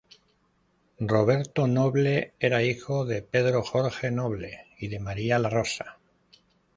Roberto Noble era hijo de Pedro Jorge Noble y de María Larrosa.